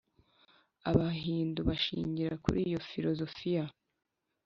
abahindu bashingira kuri iyo filozofiya